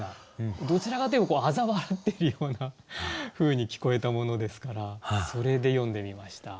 どちらかと言えばあざ笑ってるようなふうに聞こえたものですからそれで詠んでみました。